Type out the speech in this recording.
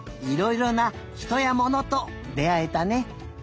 いろいろなひとやものとであえたね。